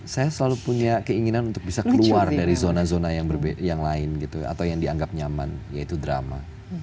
saya selalu punya keinginan untuk bisa keluar dari zona zona yang lain gitu atau yang dianggap nyaman yaitu drama